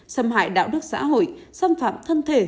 xâm hại đạo đức xã hội xâm phạm thân thể